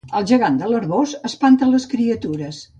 El gegant de l'Arboç espanta les criatures